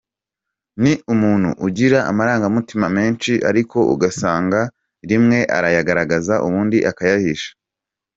Ni umuntu ugira amarangamutima menshi ariko ugasanga rimwe arayagaragaza ubundi akayahisha.